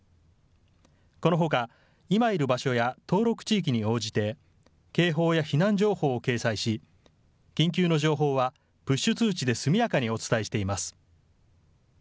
このほか、今いる場所や登録地域に応じて警報や避難情報を掲載し緊急の情報は、プッシュ通知で速やかにお伝えしています。